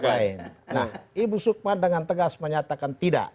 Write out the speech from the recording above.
nah ibu sukma dengan tegas menyatakan tidak